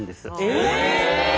え